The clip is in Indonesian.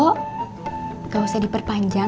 tidak perlu diperpanjang